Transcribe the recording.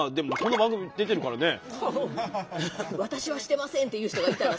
「私はしてません」っていう人がいたら。